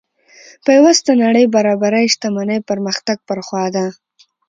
پیوسته نړۍ برابرۍ شتمنۍ پرمختګ پر خوا ده.